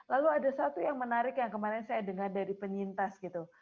lalu ada satu yang menarik yang kemarin saya dengar dari penyintas gitu